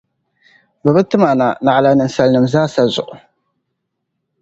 Bɛ bi tim a na, naɣila ninsalinim’ zaasa zuɣu.